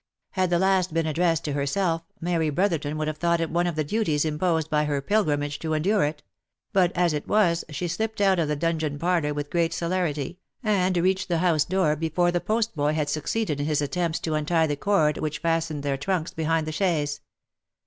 Had the last been addressed to herself, Mary Brotherton would have thought it one of the duties imposed by her pilgrimage to endure it ; but, as it was, she slipped out of the dun geon parlour with great celerity, and reached the house door before the postboy had succeeded in his attempts to untie the cord which fastened their trunks behind the chaise.